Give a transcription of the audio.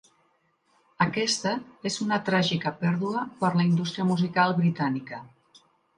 Aquesta és una tràgica pèrdua per la indústria musical britànica.